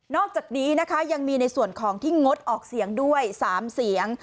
อกจากนี้นะคะยังมีในส่วนของที่งดออกเสียงด้วย๓เสียง